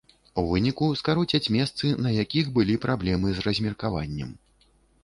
У выніку скароцяць месцы, на якіх былі праблемы з размеркаваннем.